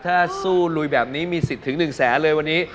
ถ้าสู้ลุยแบบนี้มีสิทธิ์ถึง๑แสนเลยวันนี้